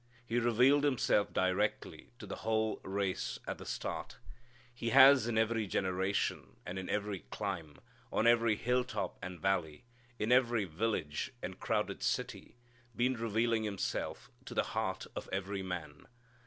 He revealed Himself directly to the whole race at the start. He has in every generation, and in every clime, on every hilltop and valley, in every village and crowded city, been revealing Himself to the heart of every man.